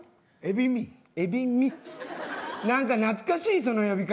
なんか懐かしいその呼び方。